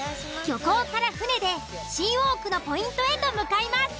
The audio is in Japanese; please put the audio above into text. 漁港から船でシーウォークのポイントへと向かいます。